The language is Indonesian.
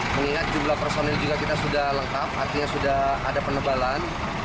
mengingat jumlah personil juga kita sudah lengkap artinya sudah ada penebalan